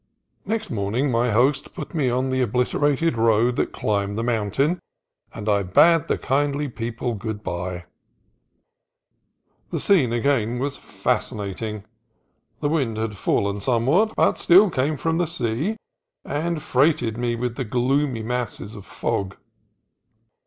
Next morning my host put me on the obliterated road that climbed the mountain, and I bade the kindly people good bye. The scene again was fascinating. The wind had fallen somewhat, but still came from the sea, and freighted with gloomy masses of fog.